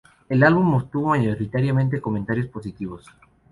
El álbum Obtuvo mayoritariamente comentarios positivos.